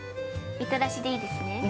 みたらしでいいですね。